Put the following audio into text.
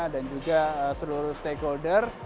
dan juga seluruh stakeholder